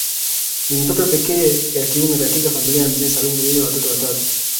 Ni mtoto pekee ya kiume katika familia ya mzee Salum yenye watoto watatu